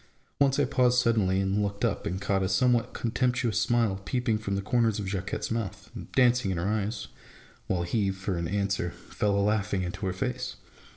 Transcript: Once I paused suddenly, and looked up, and caught a somewhat contemptuous smile peeping from the corners of Jacquette's mouth and dancing in her eyes ; while he, for an answer, fell a Iaughing into her face.